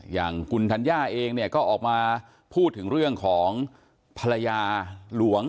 อย่างคุณธัญญาเองเนี่ยก็ออกมาพูดถึงเรื่องของภรรยาหลวง